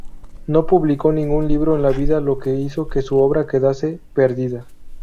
No publicó ningún libro en vida, lo que hizo que su obra quedase perdida.